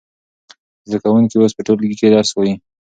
زده کوونکي اوس په ټولګي کې درس وايي.